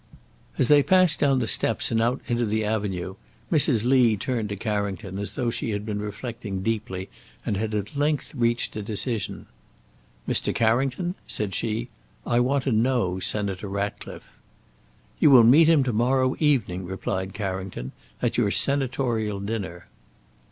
As they passed down the steps and out into the Avenue, Mrs. Lee turned to Carrington as though she had been reflecting deeply and had at length reached a decision. "Mr. Carrington," said she, "I want to know Senator Ratcliffe." "You will meet him to morrow evening," replied Carrington, "at your senatorial dinner."